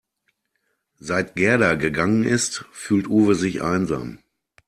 Seit Gerda gegangen ist, fühlt Uwe sich einsam.